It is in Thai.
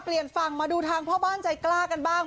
เปลี่ยนฝั่งมาดูทางพ่อบ้านใจกล้ากันบ้าง